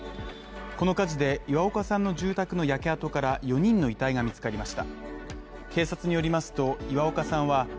この火事で岩岡さんの住宅の焼け跡から４人の遺体が見つかりました。